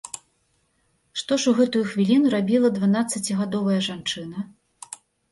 Што ж у гэтую хвіліну рабіла дванаццацігадовая жанчына?